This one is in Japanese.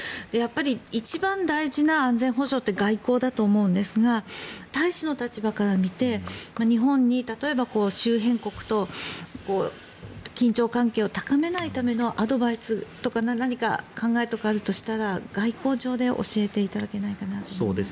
一番大事な安全保障って外交だと思うんですが大使の立場から見て日本に、例えば周辺国と緊張関係を高めないためのアドバイスとか何か考えとかあるとしたら外交上で教えていただけないかなと思います。